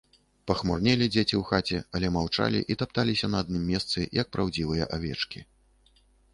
Пахмурнелі дзеці ў хаце, але маўчалі і тапталіся на адным месцы, як праўдзівыя авечкі.